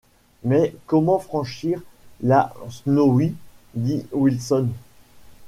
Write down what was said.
Mais comment franchir la Snowy ? dit Wilson.